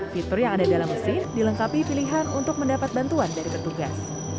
fitur yang ada dalam mesin dilengkapi pilihan untuk mendapat bantuan dari petugas